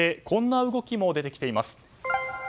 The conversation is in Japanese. こんな動きも出てきています。